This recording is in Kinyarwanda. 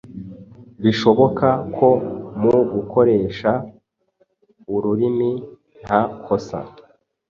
Bishoboka ko mu gukoresha ururimi nta kosa